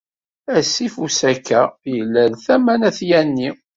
Asif usaka yella ar tama n at Yanni.